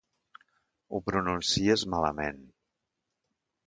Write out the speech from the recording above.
Ho pronuncies malament.